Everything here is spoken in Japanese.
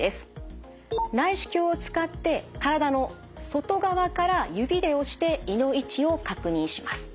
内視鏡を使って体の外側から指で押して胃の位置を確認します。